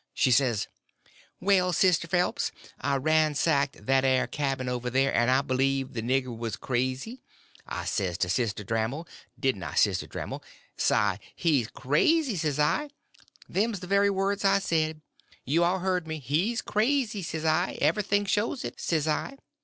She says: "Well, Sister Phelps, I've ransacked that air cabin over, an' I b'lieve the nigger was crazy. I says to Sister Damrell—didn't I, Sister Damrell?—s'I, he's crazy, s'I—them's the very words I said. You all hearn me: he's crazy, s'I; everything shows it, s'I.